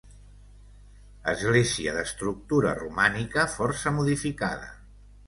Església d'estructura romànica força modificada.